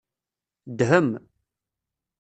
Dhem.